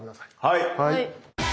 はい。